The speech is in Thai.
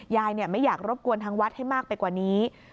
ไม่อยากรบกวนทางวัดให้มากไปกว่านี้